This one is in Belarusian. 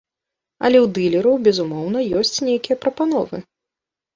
Але ў дылераў, безумоўна, ёсць нейкія прапановы.